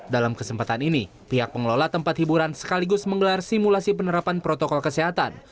dalam kesempatan ini pihak pengelola tempat hiburan sekaligus menggelar simulasi penerapan protokol kesehatan